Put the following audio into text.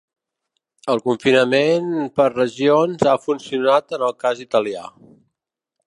El confinament per regions ha funcionat en el cas italià.